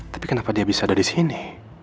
tapi kenapa dia bisa ada disini